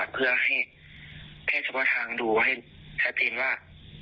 เพื่อให้เพศพทางดูให้ชัดสินว่า